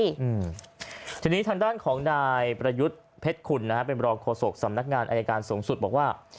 อืมทีนี้ทางด้านของนายประยุทธ์เพชรคุณนะฮะเป็นรองโฆษกสำนักงานอายการสูงสุดบอกว่า